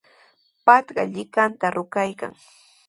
Patrka llikanta ruraykan.